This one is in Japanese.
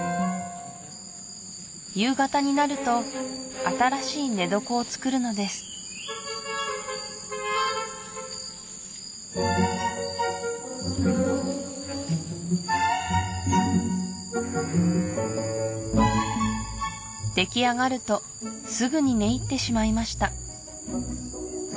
夕方になると新しい寝床を作るのです出来上がるとすぐに寝入ってしまいました